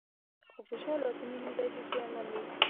خو فشار لازمي نه دی چې زیانمن وي.